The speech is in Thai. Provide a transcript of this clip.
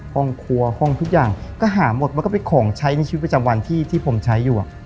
ห้องครัวห้องทุกอย่างก็หาหมดมันก็เป็นของใช้ในชีวิตประจำวันที่ผมใช้อยู่